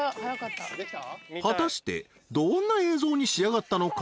［果たしてどんな映像に仕上がったのか？］